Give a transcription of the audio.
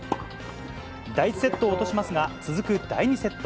第１セットを落としますが、続く第２セット。